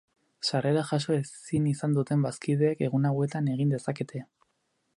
Sarrera jaso ezin izan duten bazkideek egun hauetan egin dezakete.